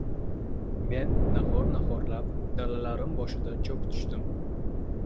Men nahor-nahorlab dalalarim boshida cho‘k tushdim.